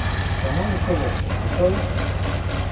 Шановні колеги, готові?